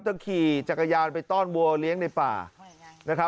เครื่องขี่จักรยานไปต้อนบัวเลี้ยงในป่า